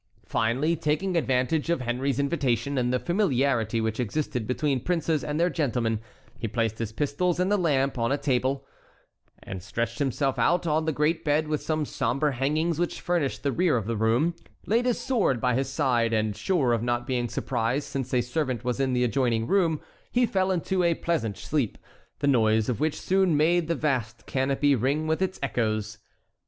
Finally, taking advantage of Henry's invitation, and the familiarity which existed between princes and their gentlemen, he placed his pistols and the lamp on a table, stretched himself out on the great bed with the sombre hangings which furnished the rear of the room, laid his sword by his side, and, sure of not being surprised since a servant was in the adjoining room, he fell into a pleasant sleep, the noise of which soon made the vast canopy ring with its echoes.